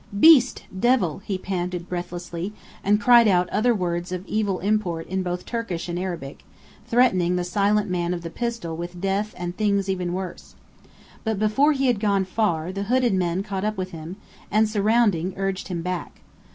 "Beast! devil!" he panted breathlessly, and cried out other words of evil import in both Turkish and Arabic; threatening the silent man of the pistol with death and things even worse. But before he had gone far, the hooded men caught up with him, and surrounding, urged him back.